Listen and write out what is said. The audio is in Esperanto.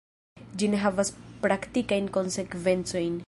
Ĝi ne havas praktikajn konsekvencojn.